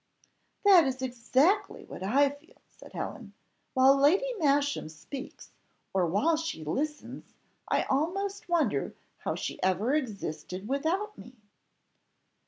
"That is exactly what I feel," said Helen, "while Lady Masham speaks, or while she listens, I almost wonder how she ever existed without me."